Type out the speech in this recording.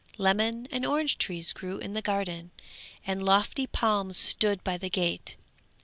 Lemon and orange trees grew in the garden, and lofty palms stood by the gate.